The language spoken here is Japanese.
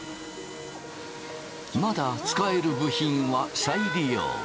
まだ使える部品は再利用。